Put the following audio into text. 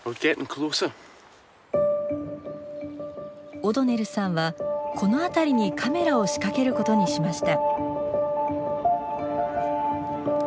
オドネルさんはこのあたりにカメラを仕掛けることにしました。